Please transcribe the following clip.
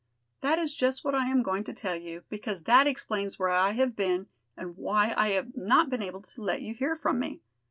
"That is just what I am going to tell you, because that explains where I have been and why I have not been able to let you hear from me.